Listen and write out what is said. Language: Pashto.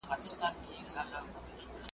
د علاج پیسې مي راکړه رخصتېږم .